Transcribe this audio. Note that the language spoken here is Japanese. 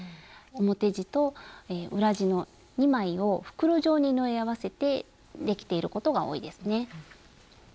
表地と裏地の２枚を袋状に縫い合わせてできていることが多いですね。